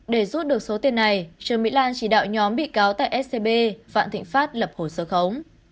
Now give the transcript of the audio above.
để rút được số tiền này trương mỹ lan chỉ đạo nhóm bị cáo tại scb vạn thịnh pháp lập hồ sơ khống